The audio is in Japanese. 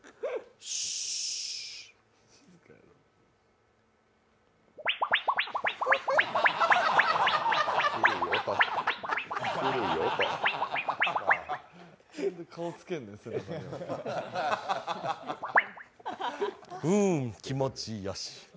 シーうーん、気持ちよし。